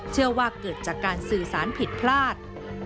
เชื่อว่าเกิดจากการสื่อสารผิดพลาด